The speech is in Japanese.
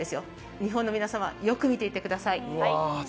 日本の皆さまよく見ていてください。